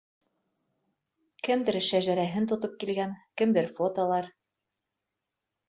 Кемдер шәжәрәһен тотоп килгән, кемдер фотолар.